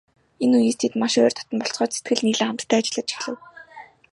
Энэ үеэс тэд маш ойр дотно болцгоож, сэтгэл нийлэн хамтдаа ажиллаж эхлэв.